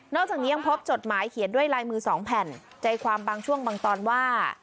จากนี้ยังพบจดหมายเขียนด้วยลายมือสองแผ่นใจความบางช่วงบางตอนว่า